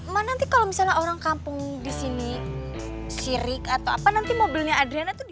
ma nanti kalo misalnya orang kampung disini sirik atau apa nanti mobilnya adriana tuh di